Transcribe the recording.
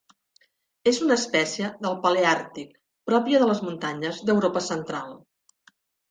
És una espècie del paleàrtic, pròpia de les muntanyes d'Europa Central.